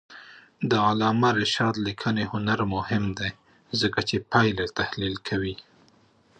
د علامه رشاد لیکنی هنر مهم دی ځکه چې پایلې تحلیل کوي.